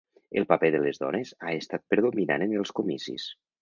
El paper de les dones ha estat predominant en els comicis.